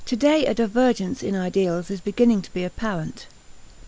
Today a divergence in ideals is beginning to be apparent.